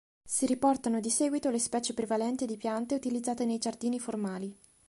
Si riportano di seguito le specie prevalenti di piante utilizzate nei "giardini formali".